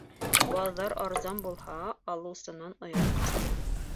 Баҙар арзан булһа, алыусынан оят ҡаса.